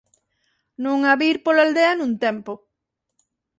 Non ha vir pola aldea nun tempo.